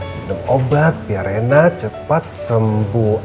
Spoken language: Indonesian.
minum obat biar enak cepat sembuh